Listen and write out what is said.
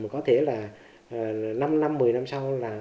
có thể là năm một mươi năm sau